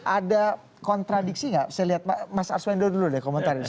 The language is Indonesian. ada kontradiksi nggak saya lihat mas arswendo dulu deh komentarin